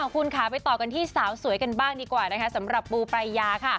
คุณค่ะไปต่อกันที่สาวสวยกันบ้างดีกว่านะคะสำหรับปูปรายยาค่ะ